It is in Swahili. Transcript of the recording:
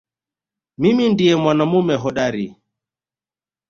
Mimi ndiye mwanamume hodari